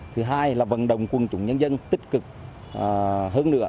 thứ hai là vận động quân chủng nhân dân tích cực hơn nữa